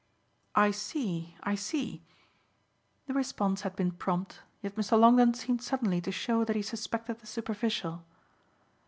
"I see, I see." The response had been prompt, yet Mr. Longdon seemed suddenly to show that he suspected the superficial.